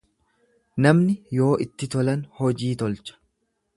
Namni yoo itti tolan hojii tolcha.